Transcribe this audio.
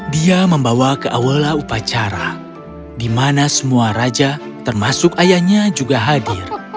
dia membawa ke awal upacara di mana semua raja termasuk ayahnya juga hadir